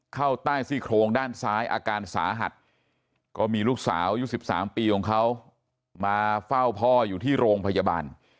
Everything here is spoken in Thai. เข้าใต้ซี่โครงด้านซ้ายอาการสาหัสก็มีลูกสาวอายุ๑๓ปีของเขามาเฝ้าพ่ออยู่ที่โรงพยาบาล